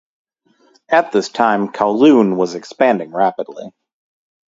At this time Kowloon was expanding rapidly.